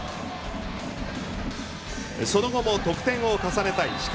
その後も得点を重ねた石川。